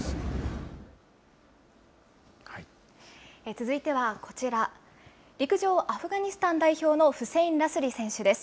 続いてはこちら、陸上アフガニスタン代表のフセイン・ラスリ選手です。